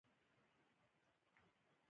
پر پولنډ او هسپانیا د لنډې ولکې پرمهال پېښ شول.